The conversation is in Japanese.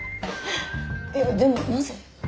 いやでもなぜ？